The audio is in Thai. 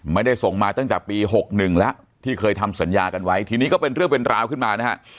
ไม่ได้ส่งมาตั้งแต่ปี๖๑แล้วที่เคยทำสัญญากันไว้ทีนี้ก็เป็นเรื่องเป็นราวขึ้นมานะฮะ